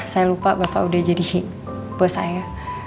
saya lupa bapak udah jadi bos saya